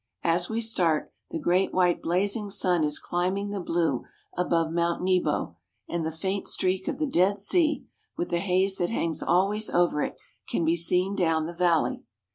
As we start, the great white blazing sun is climbing the blue above Mount Nebo, and the faint streak of the Dead Sea, with the haze that hangs always over it, can be seen down the valley.